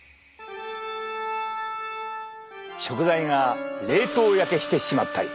食材が冷凍焼けしてしまったり。